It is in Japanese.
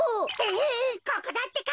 ヘヘここだってか。